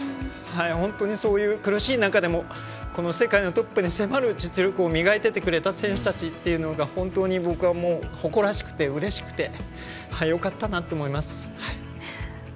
本当にそういう苦しい中でも世界のトップに迫る実力を磨いててくれた選手たちっていうのが本当に僕は誇らしくてうれしくてよかったなと思います。